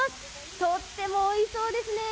とってもおいしそうですね。